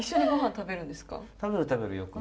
食べる食べるよく。